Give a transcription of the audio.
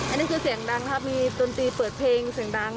อันนี้คือเสียงดังค่ะมีตรงตีเปิดเพลงเสียงดัง